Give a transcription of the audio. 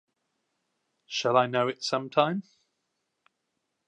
Shall I know it sometime?